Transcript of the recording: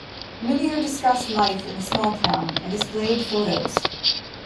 Minnier discussed life in the small town and displayed photos.